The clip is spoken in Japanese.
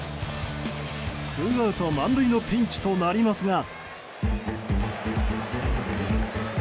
ツーアウト満塁のピンチとなりますが。